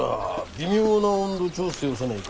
微妙な温度調整をせないかんのじゃ。